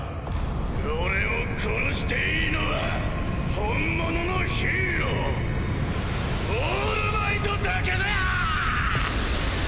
俺を殺していいのは本物の英雄オールマイトだけだ！！